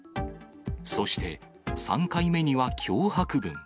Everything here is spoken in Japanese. そして３回目には脅迫文。